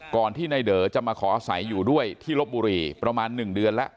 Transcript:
ก่อนที่นายเด๋อจะมาขออาศัยอยู่ด้วยที่ลบบุรีประมาณ๑เดือนแล้ว